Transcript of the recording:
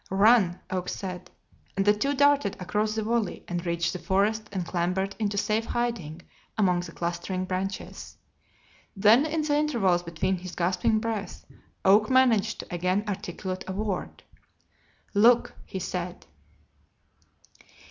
"Run!" Oak said, and the two darted across the valley and reached the forest and clambered into safe hiding among the clustering branches. Then, in the intervals between his gasping breath, Oak managed to again articulate a word: "Look!" he said.